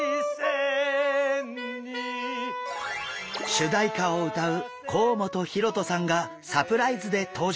主題歌を歌う甲本ヒロトさんがサプライズで登場。